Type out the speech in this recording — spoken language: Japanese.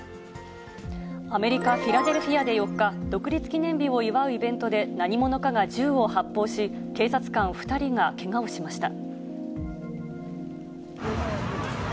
アメリカ・フィラデルフィアで４日、独立記念日を祝うイベントで何者かが銃を発砲し、警察官２人がけがをしました。